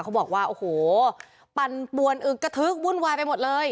เขาบอกว่าโอ้โหปั่นปวนอึกกระทึกวุ่นวายไปหมดเลย